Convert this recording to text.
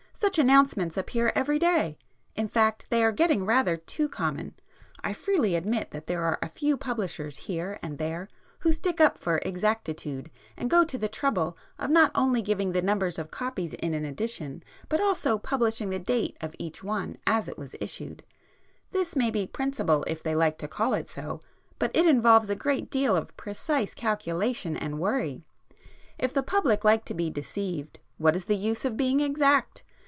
Such announcements appear every day—in fact they are getting rather too common. I freely admit that there are a few publishers here and there who stick up for exactitude and go to the trouble of not only giving the number of copies in an Edition, but also publishing the date of each one as it was issued,—this may be principle if they like to call it so, but it involves a great deal of precise calculation and worry! If the public like to be deceived, what is the use of being exact!